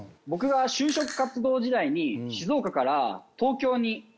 僕は就職活動時代に静岡から東京に。